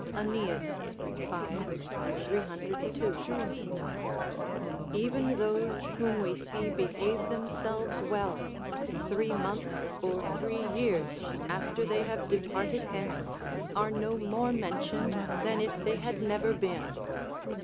AEneid, v. 302.] Even those whom we see behave themselves well, three months or three years after they have departed hence, are no more mentioned than if they had never been.